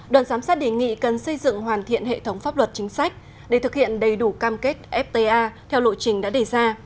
đoàn giám sát đề nghị cần xây dựng hoàn thiện hệ thống pháp luật chính sách để thực hiện đầy đủ cam kết fta theo lộ trình đã đề ra